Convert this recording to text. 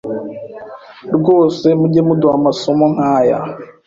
rwose mujye muduha amasomo nkaya